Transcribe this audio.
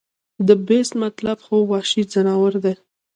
د The Beast مطلب خو وحشي ځناور دے